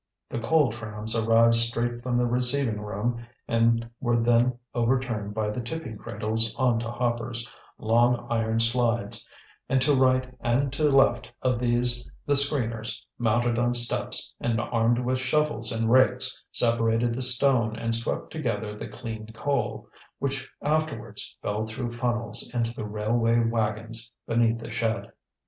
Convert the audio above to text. The coal trams arrived straight from the receiving room, and were then overturned by the tipping cradles on to hoppers, long iron slides; and to right and to left of these the screeners, mounted on steps and armed with shovels and rakes, separated the stone and swept together the clean coal, which afterwards fell through funnels into the railway wagons beneath the shed.